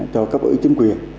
cho các ủy chính quyền